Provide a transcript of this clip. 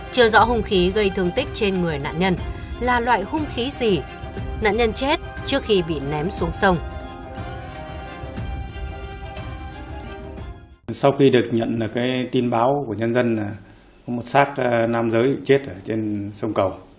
chưa rõ hung khí gây thương tích trên người nạn nhân là loại hung khí gì nạn nhân chết trước khi bị ném xuống sông